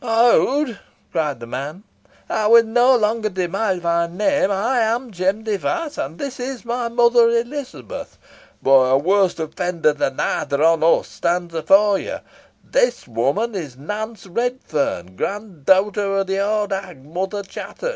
"Howd!" cried the man; "Ey win no longer deny my name. Ey am Jem Device, an this is my mother, Elizabeth. Boh a warse offender than either on us stonds afore yo. This woman is Nance Redferne, grandowter of the owd hag, Mother Chattox.